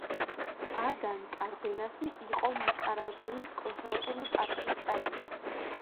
ადან კარდენასი იყო ნიკარაგუის კონსერვატული პარტიის წევრი.